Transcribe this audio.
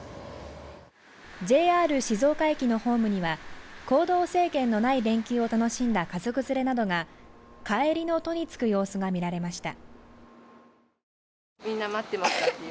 ＪＲ静岡駅のホームには行動制限のない連休を楽しんだ家族連れなどが帰りの途につく様子が見られました。